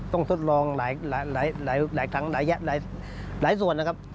ต้องทดลองหลายส่วน